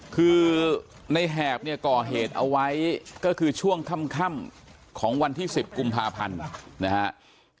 คือในแหบเนี่ยก่อเหตุเอาไว้ก็คือช่วงค่ำของวันที่๑๐กุมภาพันธ์นะครับ